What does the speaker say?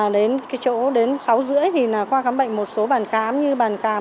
đến sáu giờ rưỡi thì khoa khám bệnh một số bàn khám như bàn khám